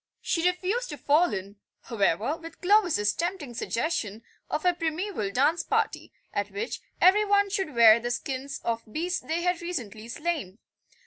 She refused to fall in, however, with Clovis's tempting suggestion of a primeval dance party, at which every one should wear the skins of beasts they had recently slain.